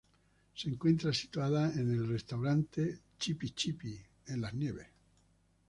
Se encuentra situada en el restaurante Chipi-Chipi, en Las Nieves.